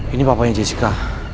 ini papanya jessica